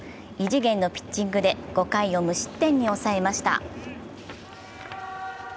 異次元のピッチングで５回を無失点に抑えました。